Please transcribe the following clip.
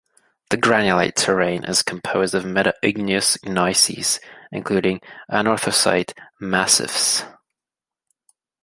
The Granulite Terrane is composed of meta-igneous gneisses including anorthosite massifs.